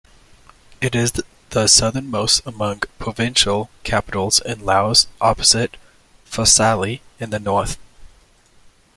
It is the southernmost among provincial capitals in Laos opposite Phongsali in the north.